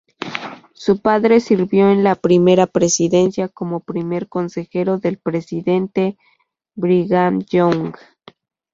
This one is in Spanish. Su padre sirvió en la Primera Presidencia como primer consejero del presidente Brigham Young.